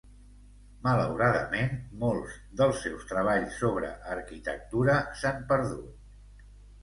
Malauradament, molts dels seus treballs sobre arquitectura s'han perdut.